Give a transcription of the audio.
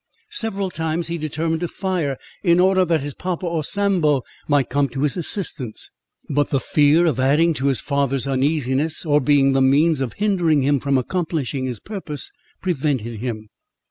Several times he determined to fire, in order that his papa, or Sambo, might come to his assistance; but the fear of adding to his father's uneasiness, or being the means of hindering him from accomplishing his purpose, prevented him.